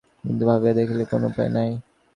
কিন্তু ভাবিয়া দেখিলেন, কোন উপায় নাই।